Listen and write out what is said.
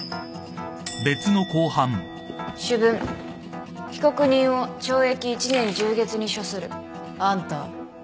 主文被告人を懲役１年１０月に処する。あんた。